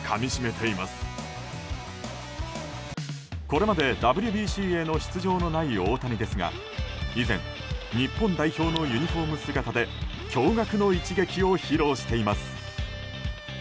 これまでＷＢＣへの出場のない大谷ですが以前、日本代表のユニホーム姿で驚愕の一撃を披露しています。